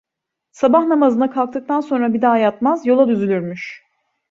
Sabah namazına kalktıktan sonra bir daha yatmaz, yola düzülürmüş.